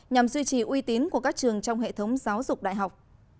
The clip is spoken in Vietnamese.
nhằm duy trì uy tín của các trường trong hệ thống giáo dục đại học